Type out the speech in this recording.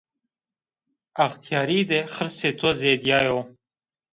Extîyarî de xirsê to zêdîyayo